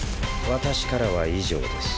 私からは以上です。